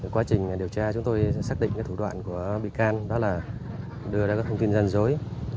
quá trình điều tra chúng tôi xác định thủ đoạn của bị can đó là đưa ra các thông tin gian dối